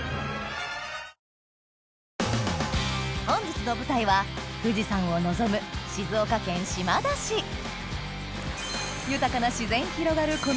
本日の舞台は富士山を望む豊かな自然広がる